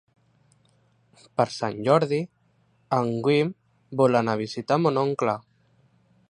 Per Sant Jordi en Guim vol anar a visitar mon oncle.